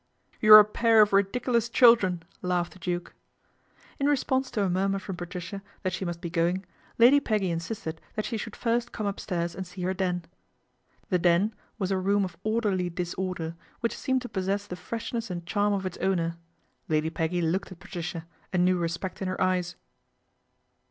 You're a pair of ridiculous children," laughed e Duke. In response to a murmur from Patricia that she ust be going, Lady Peggy insisted that she .ould first come upstairs and see her den. The " den " was a room of orderly disorder, hich seemed to possess the freshness and charm f its owner. Lady Peggy looked at Patricia, a lew respect in her eyes.